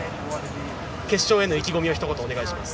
決勝への意気込みをひと言、お願いします。